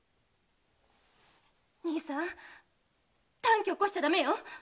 兄さん短気おこしちゃダメよ。